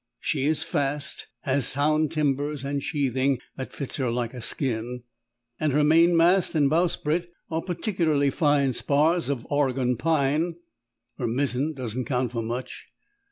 She is fast, has sound timbers and sheathing that fits her like a skin, and her mainmast and bowsprit are particularly fine spars of Oregon pine; her mizzen doesn't count for much.